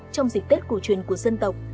trong dịch tết cổ truyền của dân tộc